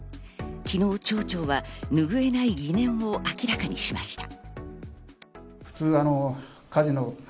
昨日、町長はぬぐえない疑念を明らかにしました。